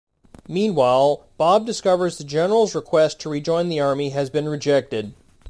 Meanwhile, Bob discovers the General's request to rejoin the army has been rejected.